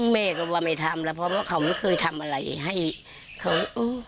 แม่ก็ว่าไม่ทำแล้วเพราะว่าเขาไม่เคยทำอะไรให้เขา